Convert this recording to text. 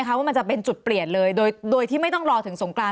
ว่ามันจะเป็นจุดเปลี่ยนเลยโดยที่ไม่ต้องรอถึงสงกราน